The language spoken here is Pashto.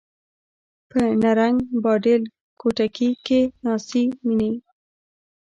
په نرنګ، باډېل کوټکي کښي ناڅي میني